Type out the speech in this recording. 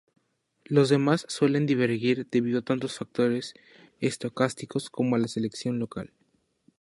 Los demás suelen divergir debido tanto a factores estocásticos como a selección local.